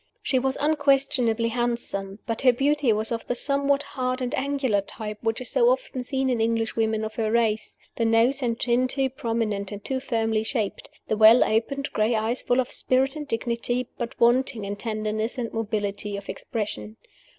She was unquestionably handsome; but her beauty was of the somewhat hard and angular type which is so often seen in English women of her race: the nose and chin too prominent and too firmly shaped; the well opened gray eyes full of spirit and dignity, but wanting in tenderness and mobility of expression.